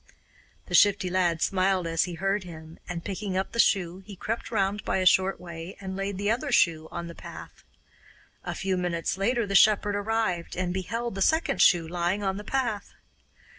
The Shifty Lad smiled as he heard him, and, picking up the shoe, he crept round by a short way and laid the other shoe on the path. A few minutes after the shepherd arrived, and beheld the second shoe lying on the path.